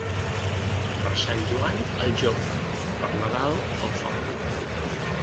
Per Sant Joan al joc, per Nadal al foc.